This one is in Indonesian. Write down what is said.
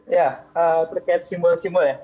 ya terkait simbol simbol ya